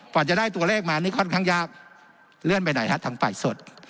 กว่าจะได้ตัวเลขมานี่ค่อนข้างยากเลื่อนไปไหนฮะทางฝ่ายสด